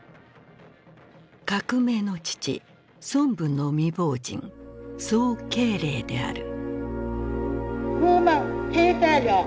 革命の父孫文の未亡人宋慶齢である。